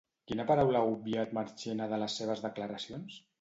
Quina paraula ha obviat Marchena de les seves declaracions?